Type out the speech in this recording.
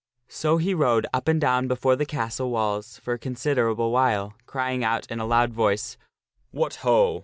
So he rode up and down before the castle walls for a considerable while crying in a loud voice, " What ho!